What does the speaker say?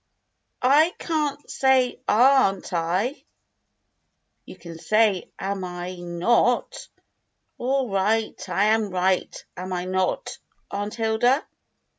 "Ican't say 'aren't I.'" "You can say *am I not.'" "All right. I am right, am I not, Aunt Hilda?"